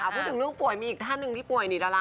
พูดถึงเรื่องป่วยมีอีกท่านหนึ่งที่ป่วยนี่ดารา